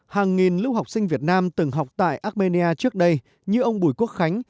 hàng nghìn lưu học sinh việt nam từng học tại armenia trước đây như ông bùi quốc khánh